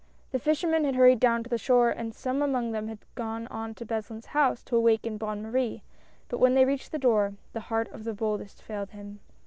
The fishermen had hurried down to the shore, and some among them had gone on to Beslin's home to awaken Bonne Marie ; but when they reached the door the heart of the boldest failed him.